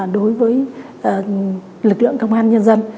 đối với lực lượng công an nhân dân